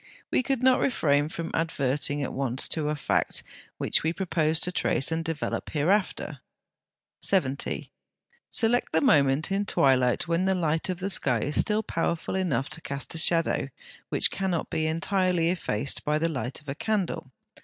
We could not refrain from adverting at once to a fact which we propose to trace and develop hereafter. Note E. 70. Select the moment in twilight when the light of the sky is still powerful enough to cast a shadow which cannot be entirely effaced by the light of a candle.